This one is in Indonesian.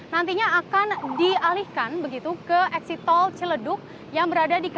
nantinya akan dialihkan begitu ke eksitol ciledug yang berada di km satu ratus enam puluh tiga